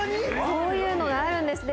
こういうのがあるんですね。